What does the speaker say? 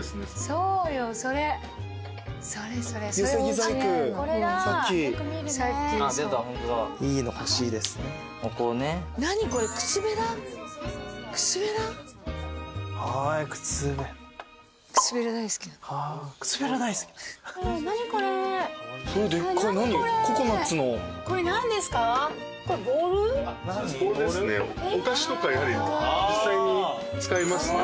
そうですねお菓子とかやはり実際に使いますね。